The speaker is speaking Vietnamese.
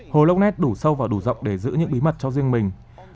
hồ lop ness đủ sâu và đủ rộng để giữ những bí mật cho riêng mình